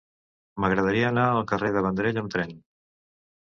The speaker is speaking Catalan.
M'agradaria anar al carrer de Vendrell amb tren.